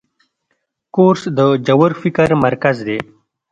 کورس د ژور فکر مرکز دی.